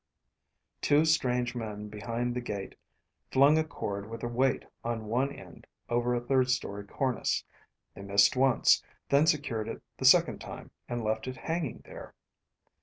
Two strange men behind the gate flung a cord with a weight on one end over a third story cornice. They missed once, then secured it the second time and left it hanging there.